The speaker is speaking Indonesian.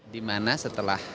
di mana setelah